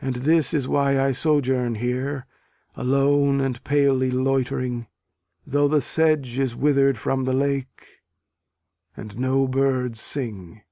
And this is why I sojourn here Alone and palely loitering, Though the sedge is wither'd from the lake, And no birds sing.